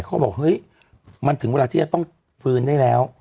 เขาบอกเฮ้ยมันถึงเวลาที่จะต้องฟื้นได้แล้ว